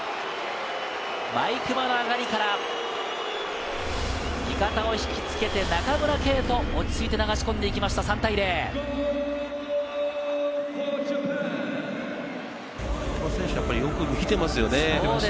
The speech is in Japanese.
毎熊の上がりから、味方を引き付けて、中村敬斗、落ち着いて流し込んでいきました、久保選手はよく見ていますよね。